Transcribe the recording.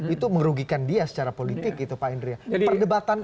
itu merugikan dia secara politik itu pak indria